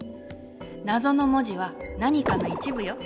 なぞの文字は何かの一部よ！